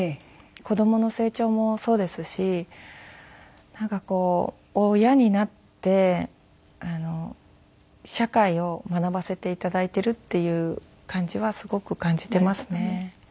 子供の成長もそうですしなんかこう親になって社会を学ばせて頂いているっていう感じはすごく感じていますね。